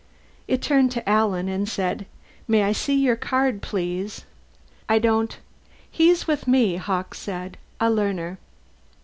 It turned to Alan and said, "May I see your card, please?" "I don't " "He's with me," Hawkes said. "A learner."